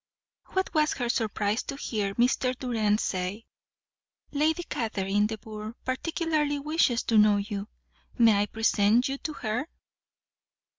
What was her surprise to hear Mr. Durand say: "Lady Catherine de Bourgh particularly wishes to know you. May I present you to her?"